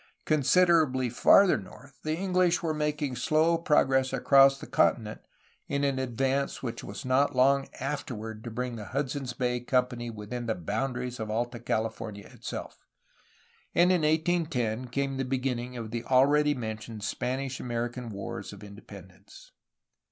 Considerably farther north the Eng lish were making slow progress across the continent in an advance which was not long afterward to bring the Hud son's Bay Company within the boundaries of Alta Califor nia itself. And in 1810 came the beginning of the already mentioned Spanish American Wars of Independence.